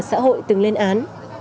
xã hội từng lên án